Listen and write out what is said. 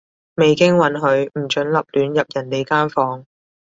未經允許，唔准立亂入人哋間房